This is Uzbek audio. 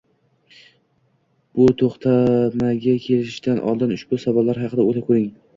Bir to`xtamga kelishdan oldin ushbu savollar haqida o`ylab ko`ring